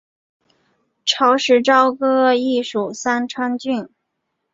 秦时朝歌邑属三川郡。